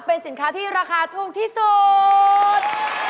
เป็นสินค้าที่ราคาถูกที่สุด